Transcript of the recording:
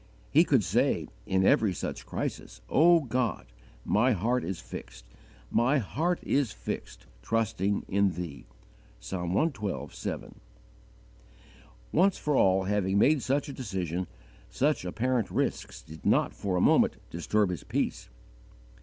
_ He could say, in every such crisis, "O God, my heart is fixed, my heart is fixed, trusting in Thee." (Psalm cxii. 7.) Once for all having made such a decision, such apparent risks did not for a moment disturb his peace.